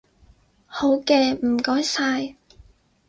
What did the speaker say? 好嘅，唔該晒